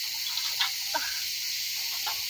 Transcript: بې دلیله څارنواله څه خفه وي,